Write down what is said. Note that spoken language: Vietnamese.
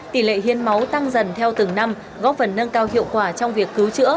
tỷ lệ hiến máu tăng dần theo từng năm góp phần nâng cao hiệu quả trong việc cứu chữa